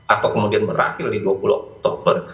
atau kemudian berakhir di dua puluh oktober